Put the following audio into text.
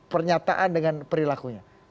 pernyataan dengan perilakunya